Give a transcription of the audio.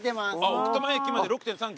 奥多摩駅まで６．３ｋｍ。